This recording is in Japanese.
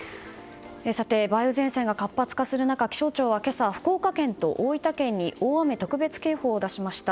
梅雨前線が活発化する中気象庁は今朝福岡県と大分県に大雨特別警報を出しました。